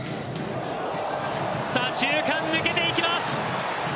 左中間抜けていきます。